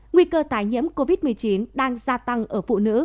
nguy cơ tái nhiễm covid một mươi chín đang gia tăng ở phụ nữ